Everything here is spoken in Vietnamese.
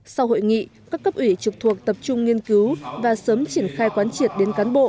sau hội nghị các cấp ủy trực thuộc tập trung nghiên cứu và sớm triển khai quán triệt đến cán bộ